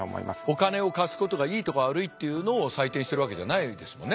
お金を貸すことがいいとか悪いっていうのを採点してるわけじゃないですもんね